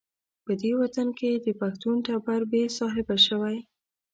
په دې وطن کې د پښتون ټبر بې صاحبه شوی.